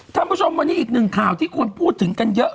คุณผู้ชมวันนี้อีกหนึ่งข่าวที่คนพูดถึงกันเยอะ